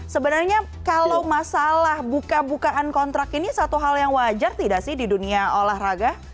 sebenarnya kalau masalah buka bukaan kontrak ini satu hal yang wajar tidak sih di dunia olahraga